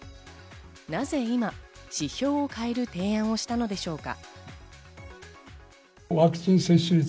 なぜ今、指標を変える提案をしたのでしょうか。